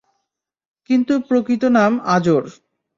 কিন্তু প্রকৃত নাম আযর।